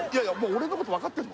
俺のこと分かってんの？